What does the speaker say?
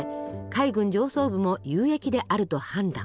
海軍上層部も有益であると判断。